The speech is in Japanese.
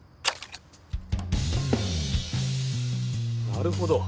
なるほど！